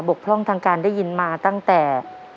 กพร่องทางการได้ยินมาตั้งแต่